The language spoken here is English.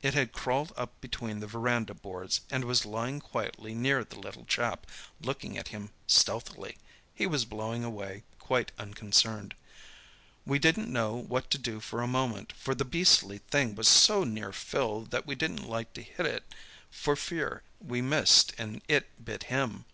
It had crawled up between the verandah boards, and was lying quietly near the little chap, looking at him stealthily—he was blowing away, quite unconcerned. We didn't know what to do for a moment, for the beastly thing was so near Phil that we didn't like to hit it for fear we missed and it bit him.